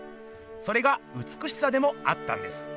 それがうつくしさでもあったんです。